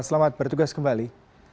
selamat bertugas kembali